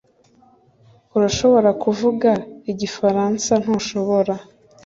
Urashobora kuvuga igifaransa ntushobora